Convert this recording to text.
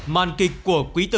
màn kịch của quý tử